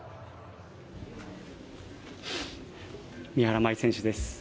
三原舞依選手です。